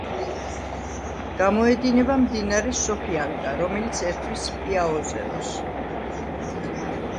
გამოედინება მდინარე სოფიანგა, რომელიც ერთვის პიაოზეროს.